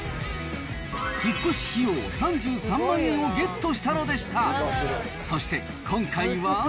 引っ越し費用３３万円をゲットしたのでした。